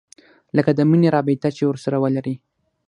لکه د مينې رابطه چې ورسره ولري.